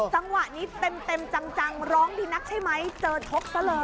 จังหวะนี้เต็มจังร้องดีนักใช่ไหมเจอชกซะเลย